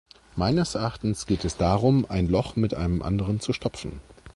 Meines Erachtens geht es darum, ein Loch mit einem anderen zu stopfen.